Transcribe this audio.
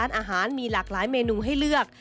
อาหารมีหลากหลายเมนูให้เลือก